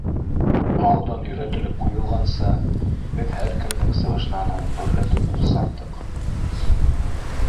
Алдан өйрәтелеп ҡуйылғанса, беҙ һәр кемдең сығышынан һуң гөрләтеп ҡул саптыҡ.